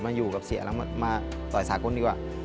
มาอยู่กับเสียแล้วมาต่อยสากลดีกว่า